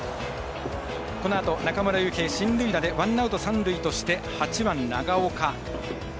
このあと中村悠平、進塁打でワンアウト、三塁として８番、長岡。